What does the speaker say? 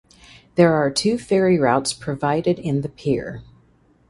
There are two ferry routes provided in the pier.